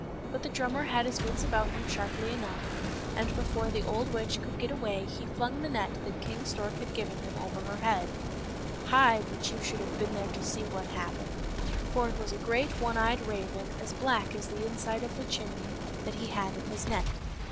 But the drummer had his wits about him sharply enough, and before the old witch could get away he flung the net that King Stork had given him over her head. " Hi !" but you should have been there to see what happened ; for it was a great one eyed raven, as black as the inside of the chimney, that he had in his net.